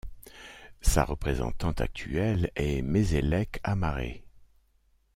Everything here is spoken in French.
Sa représentante actuelle est Meselech Amare.